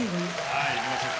はいいきましょう。